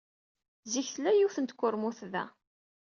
Zik, tella yiwet n tkurmut da.